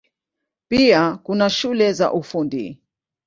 Pia kuna shule za Ufundi.